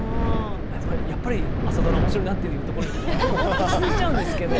やっぱり朝ドラおもしろいなというところに落ち着いちゃうんですけれども。